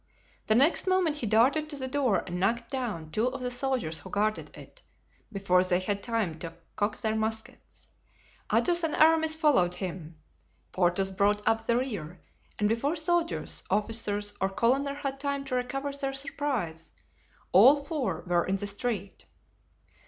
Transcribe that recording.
The next moment he darted to the door and knocked down two of the soldiers who guarded it, before they had time to cock their muskets. Athos and Aramis followed him. Porthos brought up the rear, and before soldiers, officers, or colonel had time to recover their surprise all four were in the street.